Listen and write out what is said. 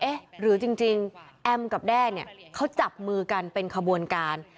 หรือจริงแอมกับแด้เนี่ยเขาจับมือกันเป็นขบวนการ